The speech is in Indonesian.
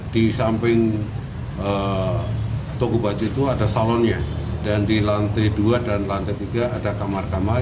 di samping toko baju itu ada salonnya dan di lantai dua dan lantai tiga ada kamar kamar